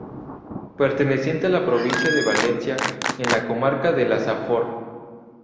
Perteneciente a la provincia de Valencia, en la comarca de la Safor.